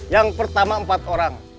yang pertama empat orang